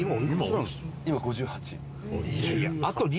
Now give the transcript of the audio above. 今５８。